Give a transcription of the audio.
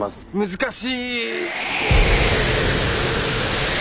難しい。